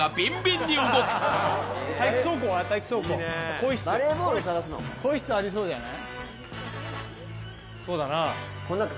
更衣室ありそうじゃない？